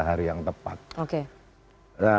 hari yang tepat oke